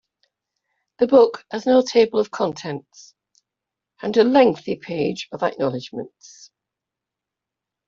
The book has no table of contents and a lengthy page of acknowledgments.